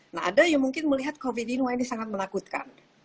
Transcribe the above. nah ada yang mungkin melihat covid dino ini sangat menakutkan